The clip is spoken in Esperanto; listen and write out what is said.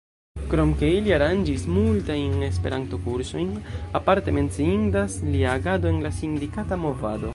Krom ke li aranĝis multajn Esperanto-kursojn, aparte menciindas lia agado en la sindikata movado.